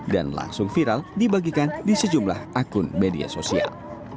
langsung viral dibagikan di sejumlah akun media sosial